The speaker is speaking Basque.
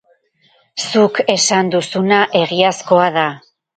Zuk esan duzuna egiazkoa da.